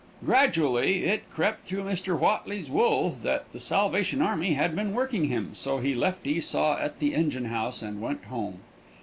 Gradually it crept through Mr. Whatley's wool that the Salvation army had been working him, so he left Esau at the engine house and went home.